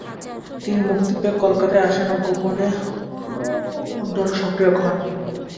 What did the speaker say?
তিনি মুক্তি পেয়ে কলকাতায় আসেন ও গোপনে দল সংগঠনে সক্রিয় হন।